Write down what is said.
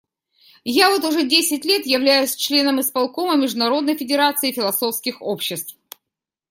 Я вот уже десять лет являюсь членом исполкома Международной федерации философских обществ.